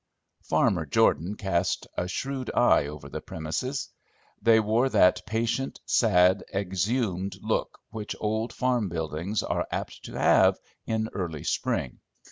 Farmer Jordan cast a shrewd eye over the premises. They wore that patient, sad, exhumed look which old farm buildings are apt to have in early spring.